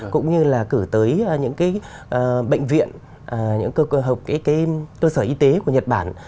cũng như là cử tới những cái bệnh viện những cơ sở y tế của nhật bản